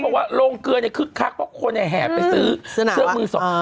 เพราะว่าโรงเกอร์นี่ขึ้นค่ะพวกเขาก็แห่มไปซื้อเมื่อสอง